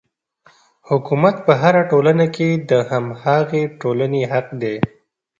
حکومت په هره ټولنه کې د هماغې ټولنې حق دی.